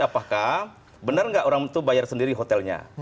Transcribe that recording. apakah benar nggak orang itu bayar sendiri hotelnya